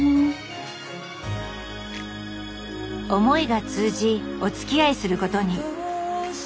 思いが通じおつきあいすることに。